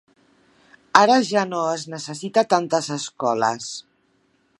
Ara ja no es necessita tantes escoles.